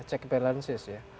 check balances ya